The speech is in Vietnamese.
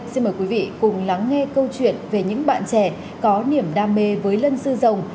xin mời quý vị cùng lắng nghe câu chuyện về những bạn trẻ có niềm đam mê với lân sư rồng